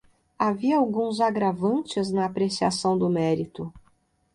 Havia alguns agravantes na apreciação do mérito